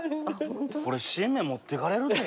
これ新芽持ってかれるで。